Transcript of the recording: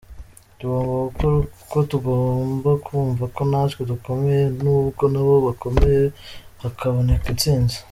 Tugomba gukora kuko tugomba kumva ko natwe dukomeye nubwo nabo bakomeye hakaboneka intsinzi.